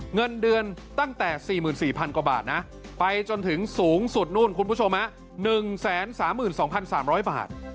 เงินเดือนตั้งแต่๔๔๐๐กว่าบาทนะไปจนถึงสูงสุดนู่นคุณผู้ชม๑๓๒๓๐๐บาท